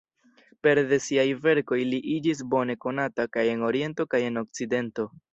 Pere de siaj verkoj, li iĝis bone konata kaj en Oriento kaj en Okcidento.